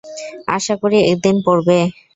আশা করি একদিন পড়বে।